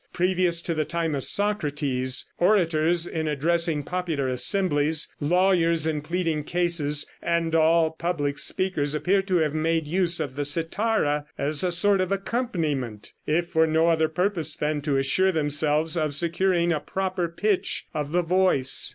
Previous to the time of Socrates, orators in addressing popular assemblies, lawyers in pleading cases, and all public speakers, appear to have made use of the cithara as a sort of accompaniment, if for no other purpose than to assure themselves of securing a proper pitch of the voice.